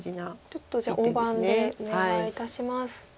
ちょっとじゃあ大盤でお願いいたします。